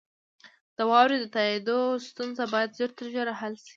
د واورئ تائیدو ستونزه باید ژر تر ژره حل شي.